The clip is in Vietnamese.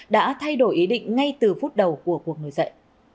đã thay đổi ý định ngay từ phút đầu của cuộc nổi dậy